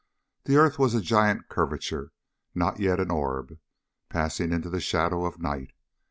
The earth was a giant curvature, not yet an orb, passing into the shadow of night.